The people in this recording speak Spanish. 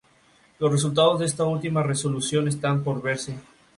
Los resultados de esta última resolución están por verse.